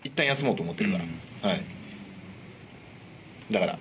はい。